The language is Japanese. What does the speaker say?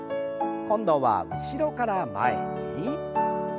今度は後ろから前に。